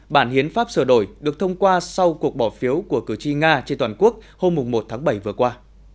bản hiến pháp sửa đổi được thông qua sau cuộc bỏ phiếu của cử tri nga trên toàn quốc hôm một tháng bảy vừa qua